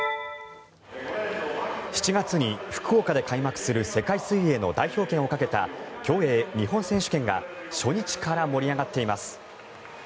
７月に福岡で開幕する世界水泳の代表権をかけた競泳日本選手権が初日から盛り上がっています。